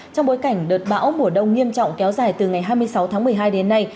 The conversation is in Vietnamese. trong bối cảnh đợt bão mùa đông nghiêm trọng kéo dài từ ngày hai mươi sáu tháng một mươi hai đến nay